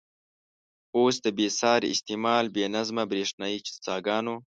اوس د بې ساري استعمال، بې نظمه برېښنايي څاګانو.